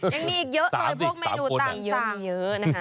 ยังมีอีกเยอะเลยพวกเมนูต่างนะคะคุณสองสิ่งบ้างอยู่